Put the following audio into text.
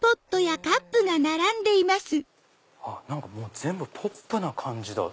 全部ポップな感じだ。